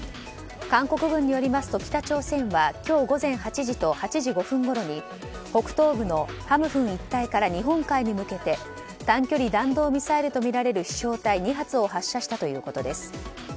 韓国軍によりますと北朝鮮は今日午前８時と８時５分ごろに北東部のハムフン一帯から日本海に向けて短距離弾道ミサイルとみられる飛翔体２発を発射したということです。